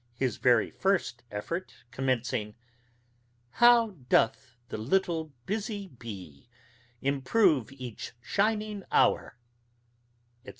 His very first effort, commencing: "How doth the little busy bee Improve each shining hour," etc.